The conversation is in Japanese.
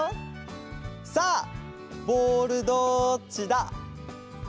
さあボールどっちだ？